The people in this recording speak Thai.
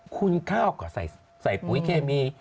คุณข้าวก็ใส่ปุ๋ยเคมี